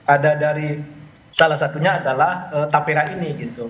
ada dari salah satunya adalah tapera ini